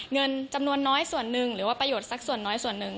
เงินจำนวนน้อยส่วนหนึ่งหรือว่าประโยชน์สักส่วนน้อยส่วนหนึ่ง